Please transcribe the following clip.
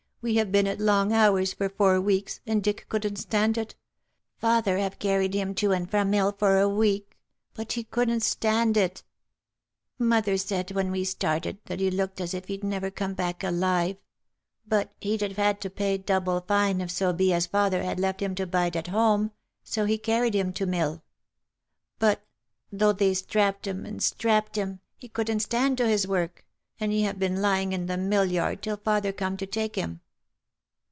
ll We have been at long hours for four weeks, and Dick couldn't stand it — father liave carried him to and from mill for a week — but he couldn't stand OF MICHAEL ARMSTRONG. 277 it. Mother said, when we started, that he looked as if he'd never come back alive ; but he'd have had to pay double fine if so be as father had left him to bide at home, so he carried him to mill ; but though they strapped him, and strapped him, he couldn't stand to his work, and he have been lying in the mill yard till father corned to take him."